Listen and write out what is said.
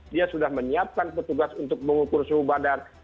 dia sudah menyiapkan petugas untuk mengukur suhu badan